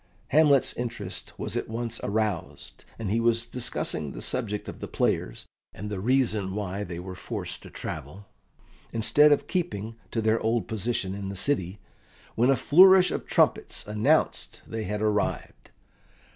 Hamlet's interest was at once aroused, and he was discussing the subject of the players, and the reason why they were forced to travel, instead of keeping to their old position in the city, when a flourish of trumpets announced they had arrived.